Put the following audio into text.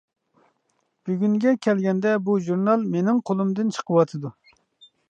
بۈگۈنگە كەلگەندە بۇ ژۇرنال مېنىڭ قولۇمدىن چىقىۋاتىدۇ.